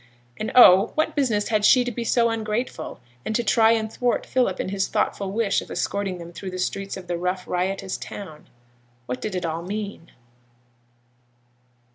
And, oh! what business had she to be so ungrateful and to try and thwart Philip in his thoughtful wish of escorting them through the streets of the rough, riotous town? What did it all mean?